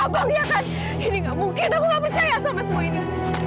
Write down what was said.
abang ya kan ini nggak mungkin aku nggak percaya sama semua ini